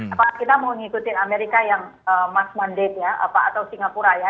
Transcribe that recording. apakah kita mau ngikutin amerika yang mass mandate ya atau singapura ya